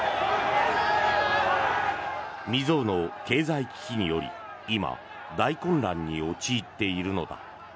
未曾有の経済危機により今、大混乱に陥っているのだ。